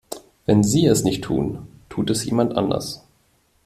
Wenn Sie es nicht tun, tut es jemand anders.